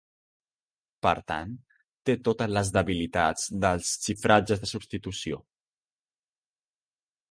Per tant, té totes les debilitats dels xifratges de substitució.